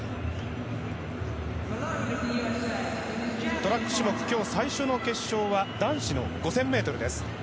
トラック種目最初の決勝は男子の５０００ｍです。